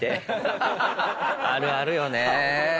あるあるよねぇ。